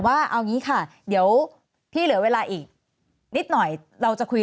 ว่าเอางี้ค่ะเดี๋ยวพี่เหลือเวลาอีกนิดหน่อยเราจะคุย